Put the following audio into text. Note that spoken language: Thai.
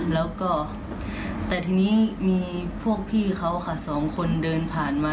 แล้วก็แต่ทีนี้มีพวกพี่เขาค่ะสองคนเดินผ่านมา